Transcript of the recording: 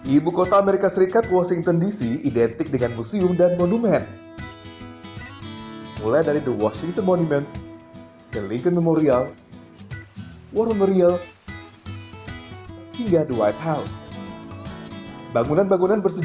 ini adalah pertama kali anda mencoba indonesia kuisin bukan